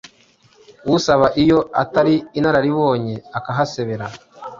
Usaba iyo atari inararibonye akahasebera